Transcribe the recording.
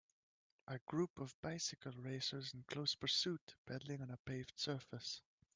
A group of bicycle racers in close pursuit, peddling on a paved surface.